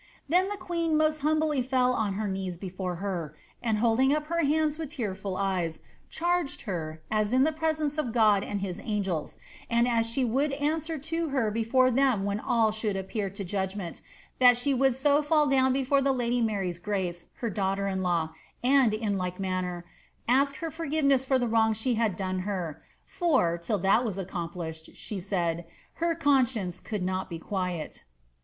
Then the queen moat hambly fell on her kneee before her, and holding up her hands with tearful eyes, charged her, as in the presence of God and his angels, and as she would answer to her before them when all should appear to judgment, that she would so fidl down before the lady Mary's grace, her dauffhter in law, and, in like manner, ask her forgiveness for the wrongs she had done her ; for, till that was accomplished,' she said, ' her conscience could not be quiet.'